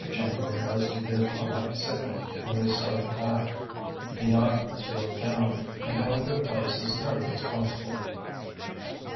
Chamberlain was to give a like signal when they started back. The yacht slowed down, and held her place as nearly as possible.